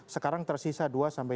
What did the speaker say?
sekarang tersisa dua sampai